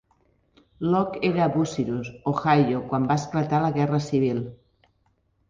Locke era a Bucyrus, Ohio quan va esclatar la guerra civil.